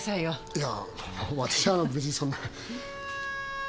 いやぁ私は別にそんな。